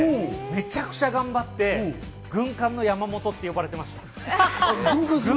めちゃくちゃ頑張って、軍艦の山本って呼ばれてました。